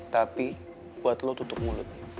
tapi buat lo tutup mulut